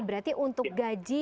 berarti untuk gaji